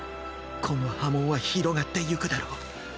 この波紋は広がってゆくだろう。